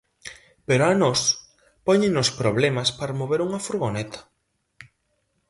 Pero a nós póñennos problemas para mover unha furgoneta.